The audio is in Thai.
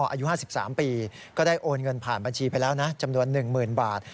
อายุ๕๓ปีก็ได้โอนเงินผ่านบัญชีไปแล้วนะจำนวน๑๐๐๐บาท